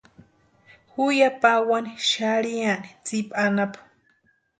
Ju ya pawani xarhiani tsipa anapu.